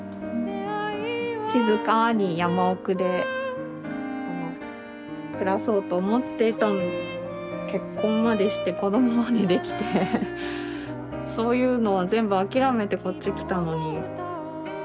静かに山奥で暮らそうと思っていたのに結婚までして子どもまでできてそういうのは全部諦めてこっち来たのに不思議ですよね。